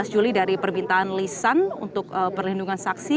tujuh belas juli dari permintaan lisan untuk perlindungan saksi